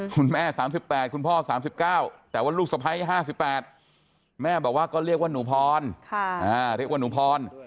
คุณแม่๓๘คุณพ่อ๓๙แต่ว่าลูกสะพ้าย๕๘แม่บอกว่าก็เรียกว่าหนูพรเรียกว่าหนูพร